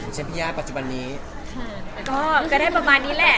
เช่นพี่ย่าปัจจุบันนี้ค่ะก็ก็ได้ประมาณนี้แหละ